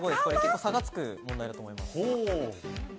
結構差がつく問題だと思います。